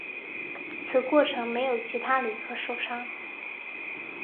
此过程没有其他旅客受伤。